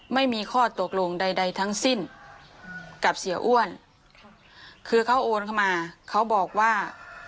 ไม่มีข้อตกลงใดใดทั้งสิ้นกับเสียอ้วนคือเขาโอนเข้ามาเขาบอกว่า